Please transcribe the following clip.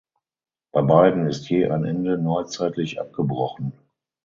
Bei beiden ist je ein Ende neuzeitlich abgebrochen.